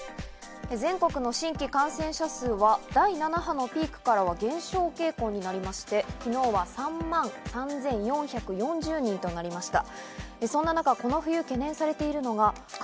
全国の新規感染者数は第７波のピークからは減少傾向になりまして、昨日は３万３４４０人となりました。